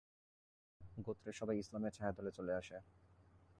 গোত্রের সবাই ইসলামের ছায়াতলে চলে আসে।